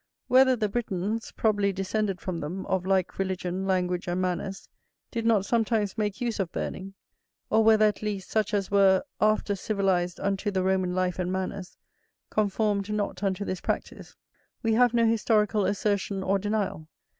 Whether the Britons (probably descended from them, of like religion, language, and manners) did not sometimes make use of burning, or whether at least such as were after civilized unto the Roman life and manners, conformed not unto this practice, we have no historical assertion or denial.